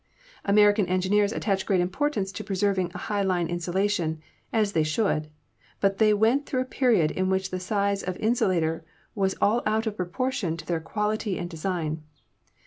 American engineers attach great impor tance to preserving a high line insulation, as they should, but they went through a period in which the size of insu lator was all out of proportion to their quality and de sign.